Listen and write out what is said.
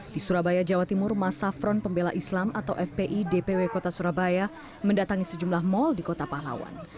di surabaya jawa timur masa front pembela islam atau fpi dpw kota surabaya mendatangi sejumlah mal di kota pahlawan